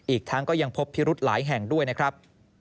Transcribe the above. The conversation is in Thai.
อีกทั้งก็ยังพบพิรุธหลายแห่งด้วยนะครับ